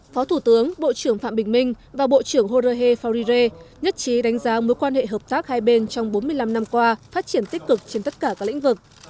phó thủ tướng bộ trưởng phạm bình minh và bộ trưởng jorge faurire nhất trí đánh giá mối quan hệ hợp tác hai bên trong bốn mươi năm năm qua phát triển tích cực trên tất cả các lĩnh vực